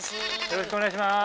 よろしくお願いします。